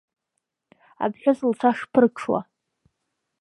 Аԥҳәыс лцәа шԥырҽуа…